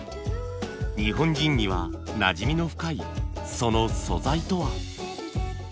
日本人にはなじみの深いその素材とは？